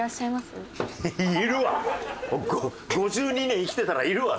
５２年生きてたらいるわ